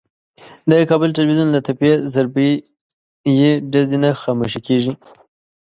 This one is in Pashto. د کابل د ټلوېزیون له تپې ضربهیي ډزې نه خاموشه کېږي.